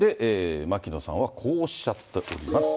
牧野さんはこうおっしゃっております。